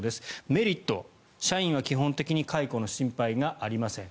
メリットは、社員は基本的に解雇の心配がありません。